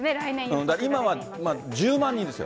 今は、１０万人ですよ。